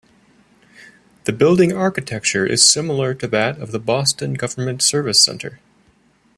The building architecture is similar to that of the Boston Government Service Center.